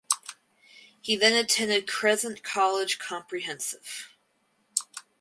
He then attended Crescent College Comprehensive.